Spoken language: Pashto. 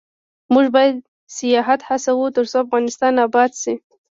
موږ باید سیاحت هڅوو ، ترڅو افغانستان اباد شي.